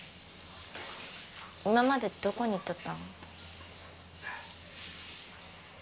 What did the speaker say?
今までどこに行っとったの？